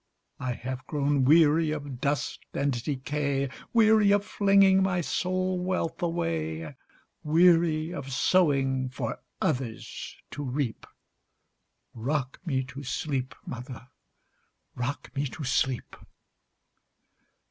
I have grown weary of dust and decay,—Weary of flinging my soul wealth away; Weary of sowing for others to reap;—Rock me to sleep, mother,—rock me to sleep!